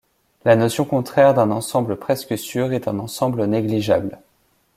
La notion contraire d'un ensemble presque sûr est un ensemble négligeable.